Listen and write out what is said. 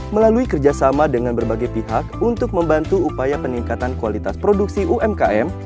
melalui kerjasama dengan berbagai pihak untuk membantu upaya peningkatan kualitas produksi umkm